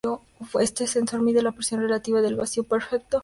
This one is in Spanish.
Este sensor mide la presión relativa al vacío perfecto.